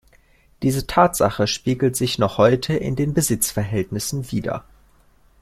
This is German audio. Diese Tatsache spiegelt sich noch heute in den Besitzverhältnissen wider.